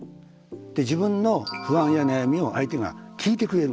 で自分の不安や悩みを相手が聞いてくれる。